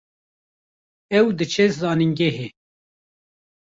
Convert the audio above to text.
Ew diçe zanîngehê